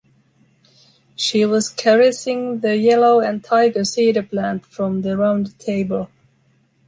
She was caressing the yellow and tiger cedar plant from the round table.